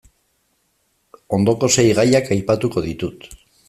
Ondoko sei gaiak aipatuko ditut.